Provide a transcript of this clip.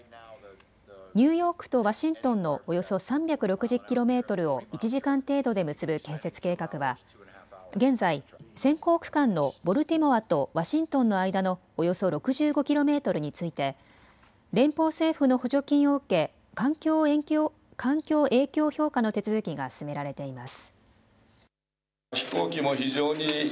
ニューヨークとワシントンのおよそ３６０キロメートルを１時間程度で結ぶ建設計画は現在、先行区間のボルティモアとワシントンの間のおよそ６５キロメートルについて連邦政府の補助金を受け環境影響評価の手続きが進められています。